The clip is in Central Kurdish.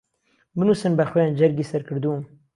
بنووسن بە خوێن جەرگی سەر کردووم